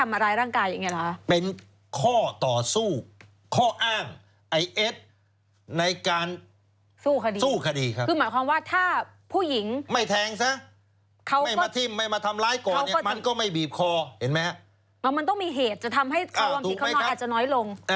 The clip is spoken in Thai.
มันต้องมีเหตุจะทำให้ความผิดกฎหมายอาจจะน้อยลง